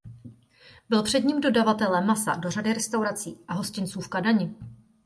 Byl předním dodavatelem masa do řady restaurací a hostinců v Kadani.